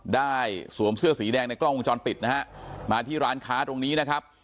สวมเสื้อสีแดงในกล้องวงจรปิดนะฮะมาที่ร้านค้าตรงนี้นะครับ